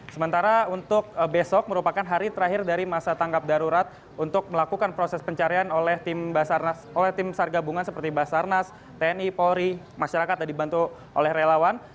sementara untuk besok merupakan hari terakhir dari masa tanggap darurat untuk melakukan proses pencarian oleh tim sargabungan seperti basarnas tni polri masyarakat dan dibantu oleh relawan